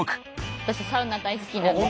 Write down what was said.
私サウナ大好きなんです。